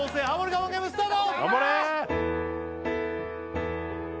我慢ゲームスタート